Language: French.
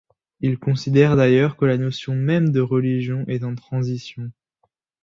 Il considère d'ailleurs que la notion même de religion est en transition.